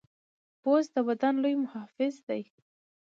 پوست د بدن لوی محافظ دی.